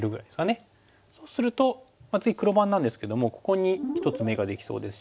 そうすると次黒番なんですけどもここに１つ眼ができそうですし。